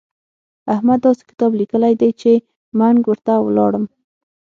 احمد داسې کتاب ليکلی دی چې منګ ورته ولاړم.